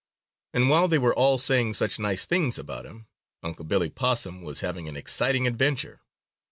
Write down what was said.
And while they were all saying such nice things about him, Unc' Billy Possum was having an exciting adventure.